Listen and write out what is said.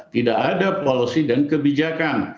tidak ada policy dan kebijakan